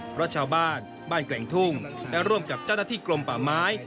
เพราะชาวบ้านบ้านแกว่งทุ่งและร่วมกับเจ้าหน้าที่กลมป่าไม้